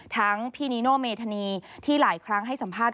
พี่นิโนเมธานีที่หลายครั้งให้สัมภาษณ